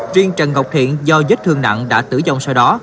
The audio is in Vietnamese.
riêng trần ngọc thiện do vết thương nặng đã tử vong sau đó